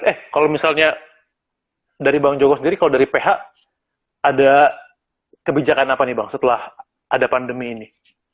eh kalau misalnya dari bang joko sendiri kalau dari ph ada kebijakan apa nih bang setelah ada pandemi ini